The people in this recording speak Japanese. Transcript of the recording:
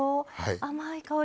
甘い香り。